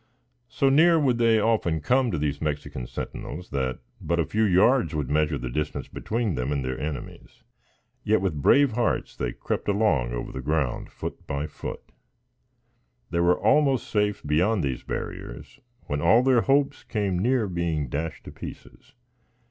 So near would they often come to these Mexican sentinels, that but a few yards would measure the distance between them and their enemies; yet, with brave hearts they crept along over the ground foot by foot; they were almost safe beyond these barriers, when all their hopes came near being dashed to pieces.